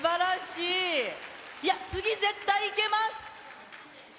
いや、次絶対いけます。